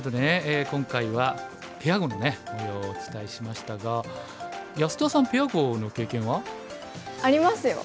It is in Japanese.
今回はペア碁のもようをお伝えしましたが安田さんペア碁の経験は？ありますよ。